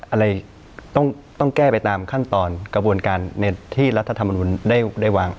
อะไรต้องแก้ไปตามขั้นตอนกระบวนการที่รัฐธรรมนุนได้วาง